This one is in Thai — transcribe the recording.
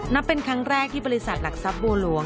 นับเป็นครั้งแรกที่บริษัทหลักทรัพย์บัวหลวง